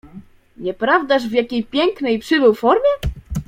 "Nieprawdaż w jakiej pięknej przybył formie?"